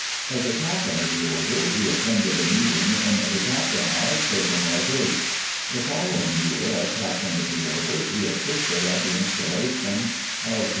As a Chaplain of the Order, he attended a meeting in the Chapter House, Clerkenwell Gate. The following year, as Chaplain of the Order, he assisted at the Installation of H. R.